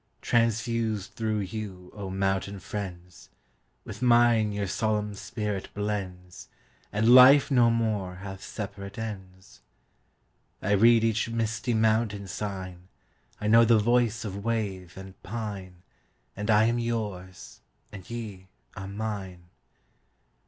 Transfused through you, O mountain friends! With mine your solemn spirit blends, And life no more hath separate ends.I read each misty mountain sign,I know the voice of wave and pine, And I am yours, and ye are mine.